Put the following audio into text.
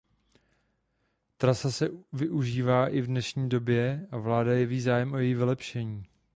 Trasa se využívá i v dnešní době a vláda jeví zájem o její vylepšení.